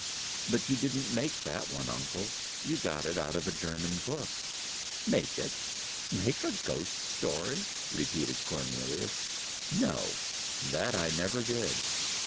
but you didn't make that one, uncle. You got it out of a German book." "Make it! Make a ghost story!" repeated Cornelius. "No; that I never did."